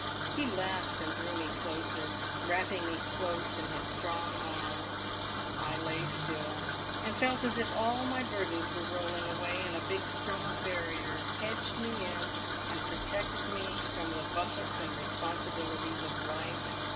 He laughed, and drew me closer, wrapping me close in his strong arms. I lay still, and felt as if all my burdens were rolling away, and a big strong barrier hedged me in and protected me from the buffets and responsibilities of life.